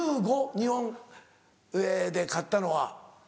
日本で勝ったのは。